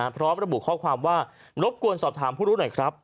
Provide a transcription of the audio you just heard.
พร้อมระบุข้อความว่ารบกวนสอบถามผู้รู้หน่อยครับ